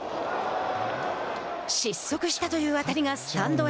「失速した」という当たりがスタンドへ。